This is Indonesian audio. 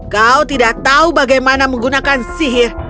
kau tidak tahu bagaimana menggunakan sihir